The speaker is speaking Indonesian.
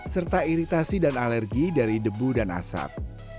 serta iritasi dan alergi dari debu dan asap